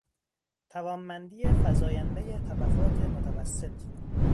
توانمندی فزایندهی طبقات متوسط